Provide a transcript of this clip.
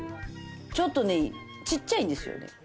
ちょっとねちっちゃいんですよね。